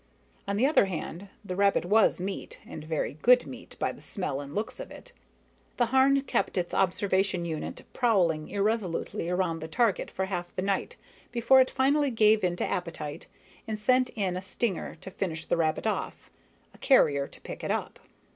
On the other hand, the rabbit was meat, and very good meat, by the smell and looks of it.... The Harn kept its observation unit prowling irresolutely around the target for half the night before it finally gave in to appetite and sent in a stinger to finish the rabbit off, a carrier to pick it up.